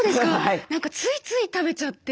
何かついつい食べちゃって。